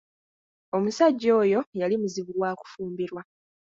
Omusajja oyo yali muzibu wa kufumbirwa.